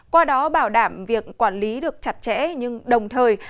qua đó bảo đảm việc quản lý được chặt chẽ nhưng đồng thời